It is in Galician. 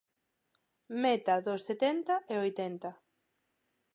Meta dos setenta e oitenta.